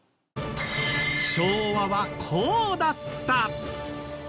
昭和はこうだった。